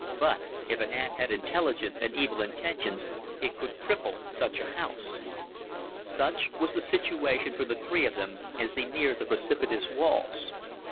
But if an ant had intelligence and evil intentions, it could cripple such a house. Such was the situation for the three of them as they neared the precipitous walls.